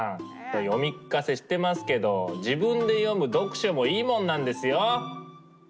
読み聞かせしてますけど自分で読む読書もいいもんなんですよ！